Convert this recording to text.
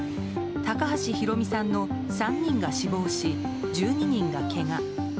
高橋裕美さんの３人が死亡し１２人がけが。